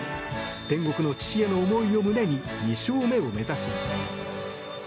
天国の父への思いを胸に２勝目を目指します。